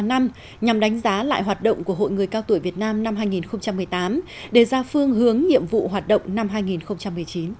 nhằm đánh giá lại hoạt động của hội người cao tuổi việt nam năm hai nghìn một mươi tám để ra phương hướng nhiệm vụ hoạt động năm hai nghìn một mươi chín